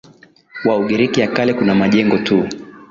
wa Ugiriki ya Kale kuna majengo tu